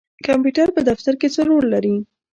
کمپیوټر په دفتر کې څه رول لري؟